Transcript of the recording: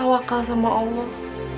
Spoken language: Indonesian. tau akal sama allah